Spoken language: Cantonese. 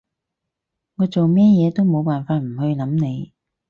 我做咩嘢都冇辦法唔去諗你